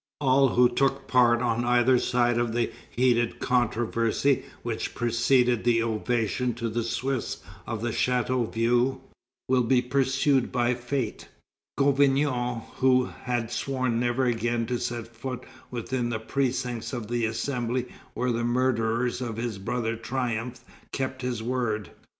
All who took part on either side of the heated controversy which preceded the ovation to the Swiss of Chateauvieux, will be pursued by fate. Gouvion, who had sworn never again to set foot within the precincts of the Assembly where the murderers of his brother triumphed, kept his word.